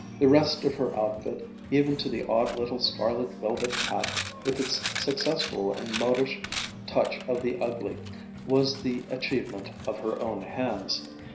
The rest of her outfit, even to the odd little scarlet velvet hat, with its successful and modish touch of the ugly, was the achievement of her own hands.